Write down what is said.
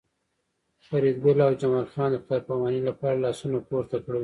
فریدګل او جمال خان د خدای پامانۍ لپاره لاسونه پورته کړل